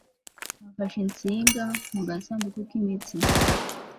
afashe insinga mu gasanduku k'imitsi